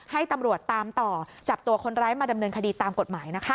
ให้ตำรวจตามต่อจับตัวคนร้ายมาดำเนินคดีตามกฎหมายนะคะ